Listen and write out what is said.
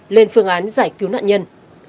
bán giải cứu nạn nhân